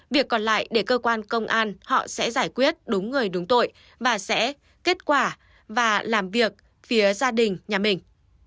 việc còn lại để cơ quan công an họ sẽ giải quyết đúng người đúng tội và sẽ kết quả và làm việc phía gia đình nhà mình